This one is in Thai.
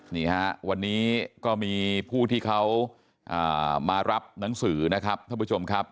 นี่ฮะวันนี้ก็มีผู้ที่เขามารับหนังสือนะครับท่านผู้ชมครับ